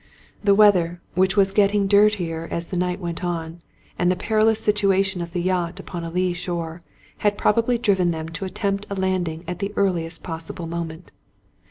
The weather, which was getting dirtier as the night went on, and the perilous situation of the yacht upon a lee shore, had probably driven them to attempt a landing at the earliest possible moment.